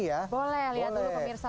lihat dulu pemirsa untuk yang kecil